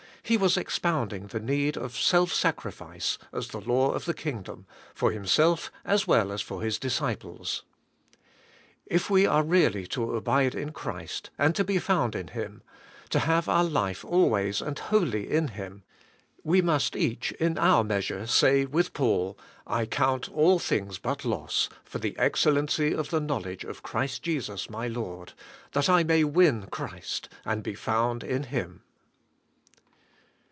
He was expounding the need of self sacrifice as the law of the kingdom for Himself as well as for His disciples. If we are really to abide in Christ, and to be found in Him, — to have our life always and wholly in Him, — we must each in our measure say with Paul, *I count all things hut loss for the excellency of the knowledge of Christ Jesus my Lord, that I may win Christ, and be rouKi) IN Him.'